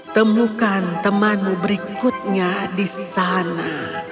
temukan temanmu berikutnya di sana